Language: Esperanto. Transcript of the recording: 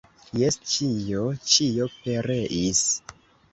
Jes, ĉio, ĉio pereis.